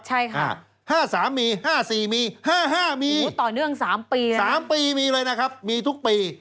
ใช่ค่ะ๕๓มี๕๔มี๕๕มีสามปีมีเลยนะครับมีทุกปี